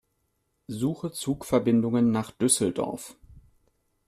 Suche Zugverbindungen nach Düsseldorf.